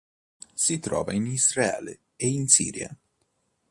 Si trova in Israele e in Siria.